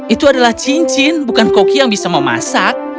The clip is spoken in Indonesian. itu adalah cincin bukan koki yang bisa memasak